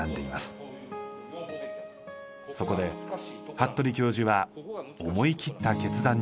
そこで服部教授は思い切った決断に踏み切ります。